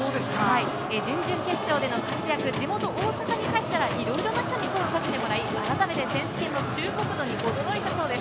準々決勝での活躍、地元・大阪に帰ったらいろいろな人に声をかけてもらい、あらためて選手権の注目度に驚いたそうです。